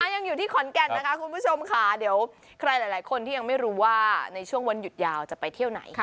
ยังอยู่ที่ขอนแก่นนะคะคุณผู้ชมค่ะเดี๋ยวใครหลายคนที่ยังไม่รู้ว่าในช่วงวันหยุดยาวจะไปเที่ยวไหน